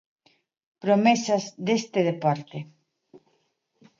Promesas deste deporte.